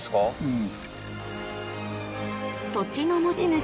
土地の持ち主